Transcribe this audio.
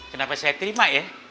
kenapa saya terima ya